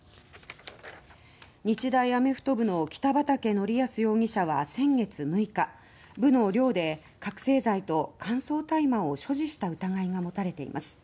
日大アメフト部の北畠成文容疑者は先月６日部の寮で覚せい剤と乾燥大麻を所持した疑いが持たれています。